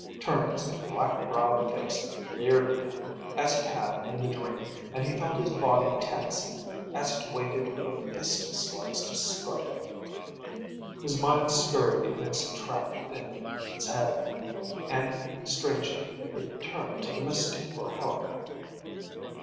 Tournay's black browed face leered at him as it had in the dream and he felt his body tense as it waited for the pistol slugs to strike. His mind scurried in its trap within his head and, strangely, it turned to the mystic for help.